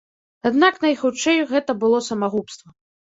Аднак найхутчэй гэта было самагубства.